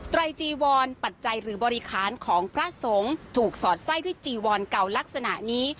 ไรจีวรปัจจัยหรือบริคารของพระสงฆ์ถูกสอดไส้ด้วยจีวอนเก่าลักษณะนี้